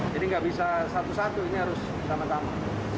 jadi nggak bisa satu satu ini harus sama sama